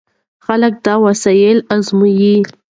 خلک دا وسایل ازمويي.